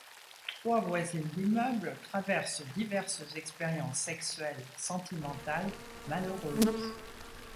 Trois voisines d'immeuble, traversent diverses expériences sexuelles et sentimentales malheureuses.